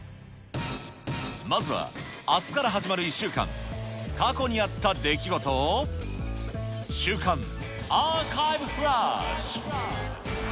まずはあすから始まる１週間、過去にあった出来事を、週間アーカイブフラッシュ。